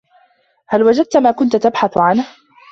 هل وجدت ما كنت تبحث عنه؟